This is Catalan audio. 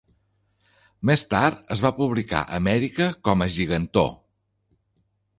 Més tard es va publicar a Amèrica com a "Gigantor".